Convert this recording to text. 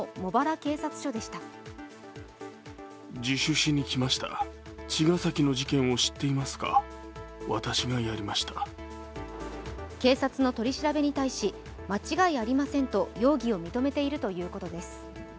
警察の取り調べに対し間違いありませんと容疑を認めているということです。